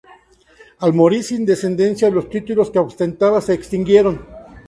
Al morir sin descendencia, los títulos que ostentaba se extinguieron.